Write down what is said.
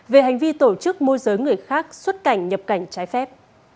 về hành vi tổ chức môi giới người khác xuất cảnh nhập cảnh trái phép